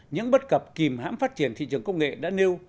những bất cập kìm hãm phát triển thị trường công nghệ đã nêu